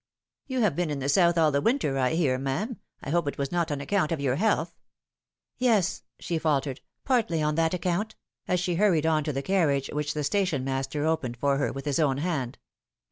" You have been in the South all the winter, I hear, ma'am. I hope it was not on account of your health T' " Yes," she faltered, " partly on that account," as she hurried on to the carriage which the stationmaster opened for her with his own hand.